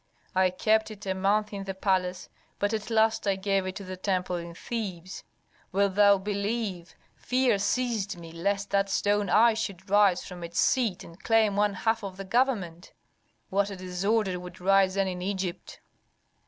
I kept it a month in the palace, but at last I gave it to the temple in Thebes. Wilt thou believe, fear seized me lest that stone I should rise from its seat and claim one half of the government. What a disorder would rise then in Egypt!